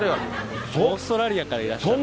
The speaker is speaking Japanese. オーストラリアからいらっしゃって。